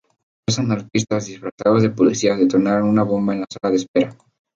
Dos anarquistas disfrazados de policías detonaron una bomba en la sala de espera.